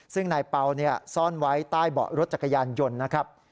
ซึ่งนายเปล่าซ่อนไว้ใต้เบาะรถจักรยานยนต์นะครับ